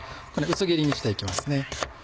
薄切りにして行きますね。